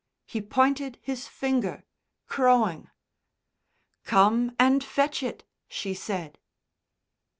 He pointed his finger, crowing. "Come and fetch it," she said.